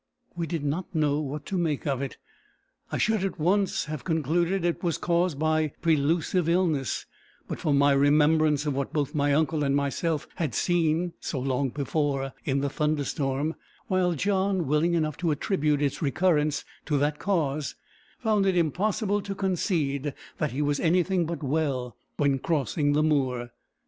We did not know what to make of it. I should at once have concluded it caused by prelusive illness, but for my remembrance of what both my uncle and myself had seen, so long before, in the thunderstorm; while John, willing enough to attribute its recurrence to that cause, found it impossible to concede that he was anything but well when crossing the moor.